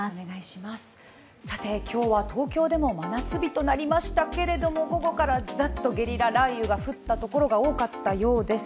さて今日は東京でも真夏日となりましたけれども午後からザッとゲリラ雷雨が降ったところが多かったようです。